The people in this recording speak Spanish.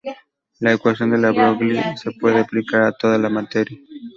La ecuación de De Broglie se puede aplicar a toda la materia.